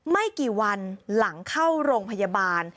ไม่กี่วันหลังเข้าโรงพยาบาล